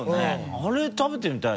あれ食べてみたいね。